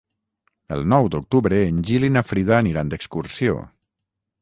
El nou d'octubre en Gil i na Frida aniran d'excursió.